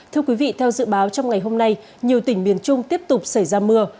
thưa quý vị theo dự báo trong ngày hôm nay nhiều tỉnh miền trung tiếp tục xảy ra mưa